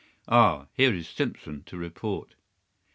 "Ah, here is Simpson to report."